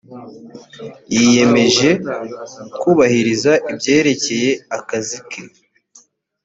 yiyemeje kubahiriza ibyerekeyeakazike.